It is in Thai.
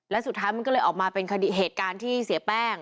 และสุดท้ายมันก็เลยออกมาเป็นเหตุการณ์ที่เสียแป้ง